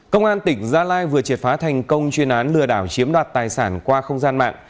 công an tỉnh gia lai vừa triệt phá thành công chuyên án lừa đảo chiếm đoạt tài sản qua không gian mạng